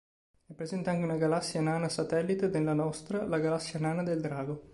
È presente anche una galassia nana satellite della nostra, la Galassia Nana del Drago.